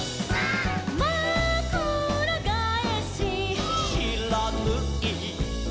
「まくらがえし」「」「しらぬい」「」